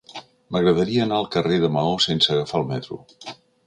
M'agradaria anar al carrer de Maó sense agafar el metro.